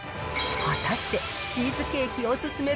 果たして、チーズケーキお勧め